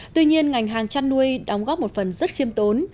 tuy nhiên ngành hàng chăn nuôi đóng góp một phần rất khiêm tốn